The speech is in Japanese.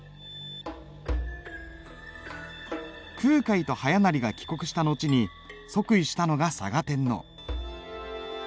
空海と逸勢が帰国した後に即位したのが嵯峨天皇。